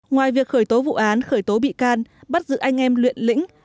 ngoài việc khởi tố vụ án khởi tố biện pháp các tỉnh đồng nai bà rịa vũng tàu bình thuận